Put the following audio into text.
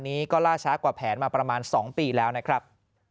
นี้ก็ล่าช้ากว่าแผนมาประมาณ๒ปีแล้วนะครับ